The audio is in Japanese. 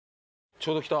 ちょうど来た。